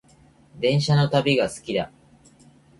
電車の旅が好きだ